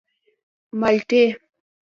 _مالټې.